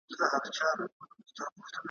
کلــي کــې جـــوړه ګنګوسه لږ په ورو غږیږه